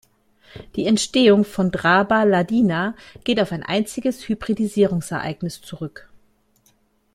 Die Entstehung von "Draba ladina" geht auf ein einziges Hybridisierungs-Ereignis zurück.